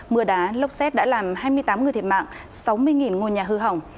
mưa đá lốc xét đã làm hai mươi tám người thiệt mạng sáu mươi ngôi nhà hư hỏng